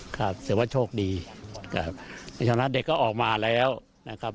ครับถือว่าโชคดีครับในฐานะเด็กก็ออกมาแล้วนะครับ